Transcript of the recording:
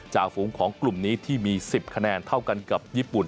ฝูงของกลุ่มนี้ที่มี๑๐คะแนนเท่ากันกับญี่ปุ่น